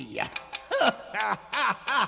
ハハハハハハ！」。